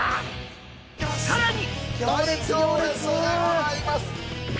「さらに」